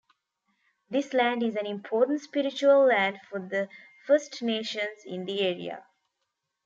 This land is an important spiritual land for the First Nations in the area.